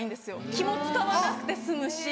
気も使わなくて済むし。